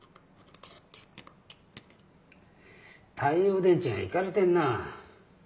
太陽電池がいかれてんなぁ。